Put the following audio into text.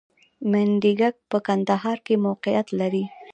منډیګک په کندهار کې موقعیت لري